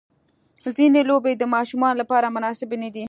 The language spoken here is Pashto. ځینې لوبې د ماشومانو لپاره مناسبې نه دي.